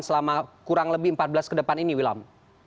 selama kurang lebih empat belas ke depan ini wilam